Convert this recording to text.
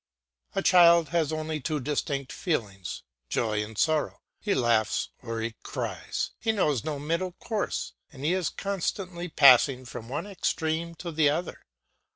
A child has only two distinct feelings, joy and sorrow; he laughs or he cries; he knows no middle course, and he is constantly passing from one extreme to the other.